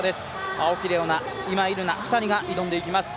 青木玲緒樹、今井月２人が挑んでいきます。